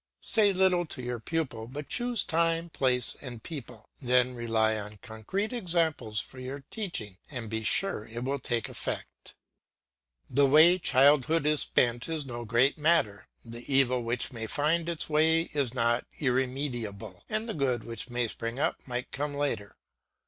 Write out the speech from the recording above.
Say little to your pupil, but choose time, place, and people; then rely on concrete examples for your teaching, and be sure it will take effect. The way childhood is spent is no great matter; the evil which may find its way is not irremediable, and the good which may spring up might come later.